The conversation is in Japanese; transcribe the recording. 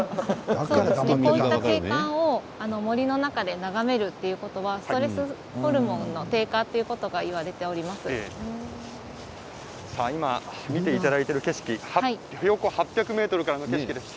景観を森の中で眺めるということはストレスホルモンの低下と今、見ていただいている景色、標高８００ｍからの景色です。